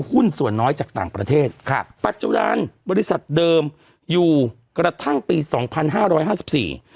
หุ้นส่วนน้อยจากต่างประเทศครับปัจจุบันบริษัทเดิมอยู่กระทั่งปีสองพันห้าร้อยห้าสิบสี่